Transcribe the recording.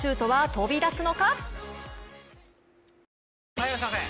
・はいいらっしゃいませ！